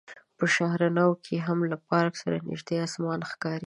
په شهر نو کې هم له پارک سره نژدې اسمان ښکاري.